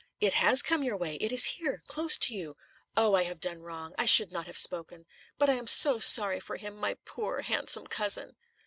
"It has come your way. It is here close to you. Oh, I have done wrong! I should not have spoken. But I am so sorry for him my poor, handsome cousin."